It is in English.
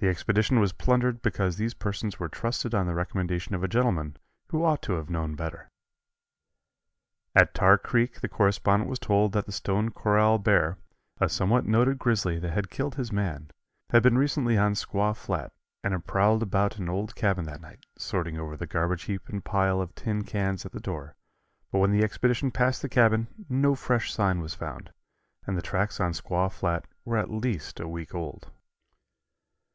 The expedition was plundered because these persons were trusted on the recommendation of a gentleman who ought to have known better. At Tar Creek the correspondent was told that the Stone Corral bear, a somewhat noted grizzly that had killed his man, had been recently on Squaw Flat, and had prowled about an old cabin at night, sorting over the garbage heap and pile of tin cans at the door, but when the expedition passed the cabin no fresh sign was found, and the tracks on Squaw Flat were at least a week old.